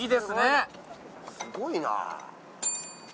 すごいな。